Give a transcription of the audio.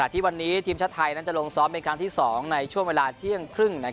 ทีมชาติไทยจะลงซ้อมเป็นครั้งที่๒ในช่วงเวลาเที่ยงครึ่ง